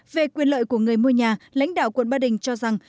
về quyền lợi của người mua nhà lãnh đạo quận ba đình cho rằng